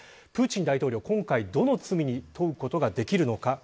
プーチン大統領は今回どの罪に問うことができるのか。